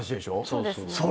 そうですね。